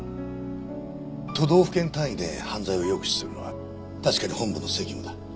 都道府県単位で犯罪を抑止するのは確かに本部の責務だ。